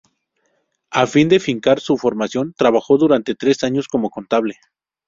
A fin de financiar su formación, trabajó durante tres años como contable.